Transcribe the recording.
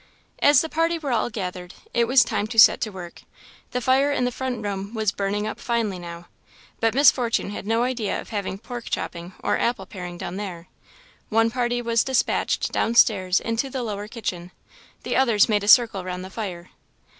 As the party were all gathered, it was time to set to work. The fire in the front room was burning up finely now, but Miss Fortune had no idea of having pork chopping or apple paring done there. One party was despatched down stairs into the lower kitchen; the others made a circle round the fire.